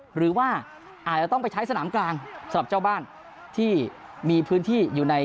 หรือว่าอาจจะต้องไปใช้สนามกลางสำหรับเจ้าบ้านที่มีพื้นที่อยู่ใน